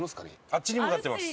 あっちに向かってます。